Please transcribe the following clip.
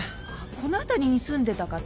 この辺りに住んでた方？